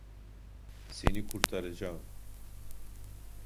Seni kurtaracağım!